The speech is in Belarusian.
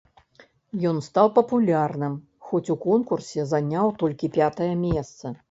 Ён стаў папулярным, хоць у конкурсе заняў толькі пятае месца.